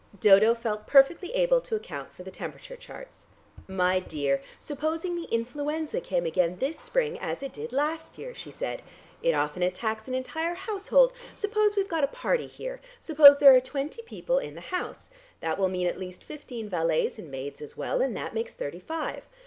Dodo felt perfectly able to account for the temperature charts. "My dear, supposing the influenza came again this spring as it did last year," she said. "It often attacks an entire household. Suppose we've got a party here, suppose there are twenty people in the house; that will mean at least fifteen valets and maids as well and that makes thirty five.